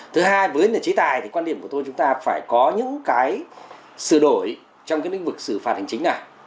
thứ hai với chế tài thì quan điểm của tôi chúng ta phải có những cái sửa đổi trong cái lĩnh vực xử phạt hành chính này